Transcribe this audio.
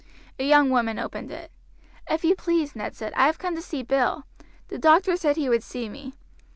A young woman opened it. "If you please," Ned said, "I have come to see Bill; the doctor said he would see me.